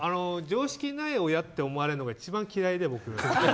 常識ない親って思われるのが一番嫌いで、僕。